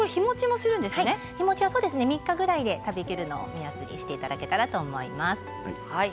日もちは３日ぐらいで食べきるのを目安にしていただけたらと思います。